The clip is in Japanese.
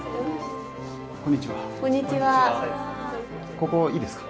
ここいいですか？